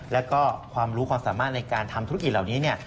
แล้วก็ความรู้ความสามารถในการทำธุรกิจเหล่านี้เนี่ย